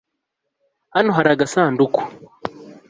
hano hari agasanduku